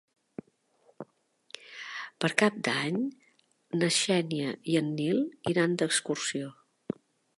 Per Cap d'Any na Xènia i en Nil iran d'excursió.